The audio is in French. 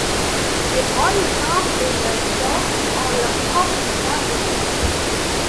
Les bras, les jambes, et le torse ont leurs propres points de vie.